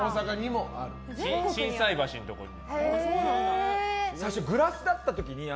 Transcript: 心斎橋のところに。